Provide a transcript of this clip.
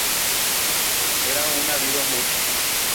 Era un ávido músico.